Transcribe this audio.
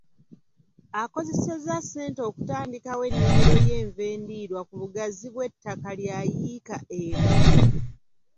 Akozesezza ssente okutandikawo ennimiro y'enva endiirwa ku bugazi bw'ettaka lya yiika emu.